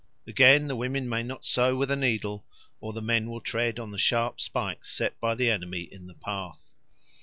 Again, the women may not sew with a needle, or the men will tread on the sharp spikes set by the enemy in the path.